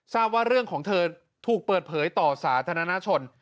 ทราบว่าเรื่องของเธอถูกเปิดเผยต่อสาธารณชน